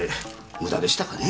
無駄でしたかねえ。